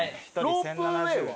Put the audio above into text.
ロープウェイは？